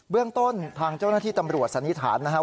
เรื่องต้นทางเจ้าหน้าที่ตำรวจสันนิษฐานนะครับ